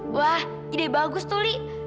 wah ide bagus tuh li